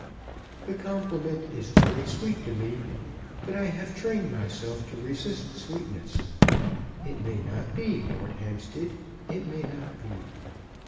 "The compliment is very sweet to me, but I have trained myself to resist sweetness. It may not be, Lord Hampstead. It may not be.